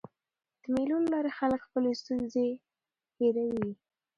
د مېلو له لاري خلک خپلي ستونزي هېروي.